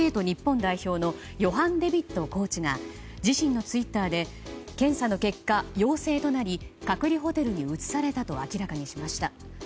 日本代表のヨハン・デビットコーチが自身のツイッターで検査の結果、陽性となり隔離ホテルに移されたと明らかにしました。